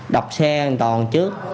đập xe an toàn trước